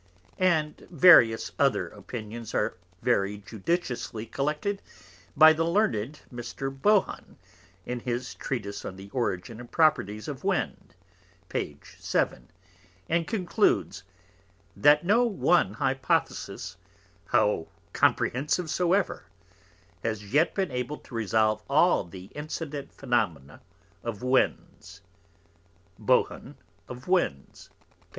And various other Opinions are very judiciously collected by the Learned Mr. Bohun in his Treatise of the Origin and Properties of Wind, P. 7. and concludes, 'That no one Hypothesis, how Comprehensive soever, has yet been able to resolve all the Incident Phenomena of Winds. Bohun of Winds, P.